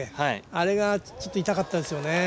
あれがちょっと痛かったですよね。